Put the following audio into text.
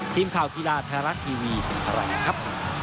ทีมข่าวธีราธารักษ์ทีวีอะไรครับ